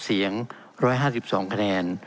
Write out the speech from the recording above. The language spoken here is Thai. เป็นของสมาชิกสภาพภูมิแทนรัฐรนดร